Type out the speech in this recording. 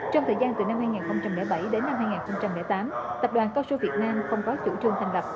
trong thời gian từ năm hai nghìn bảy đến năm hai nghìn tám tập đoàn cao su việt nam không có chủ trương thành lập